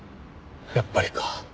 やっぱりか。